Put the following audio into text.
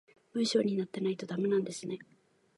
文章になってないとダメなんですね